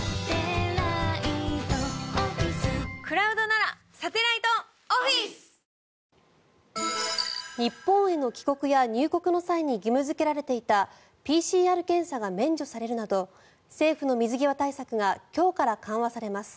なんだか日本への帰国や入国の際に義務付けられていたＰＣＲ検査が免除されるなど政府の水際対策が今日から緩和されます。